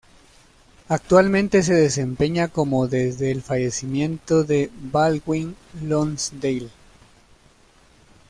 Actualmente se desempeña como desde el fallecimiento de Baldwin Lonsdale.